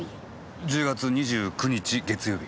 １０月２９日月曜日？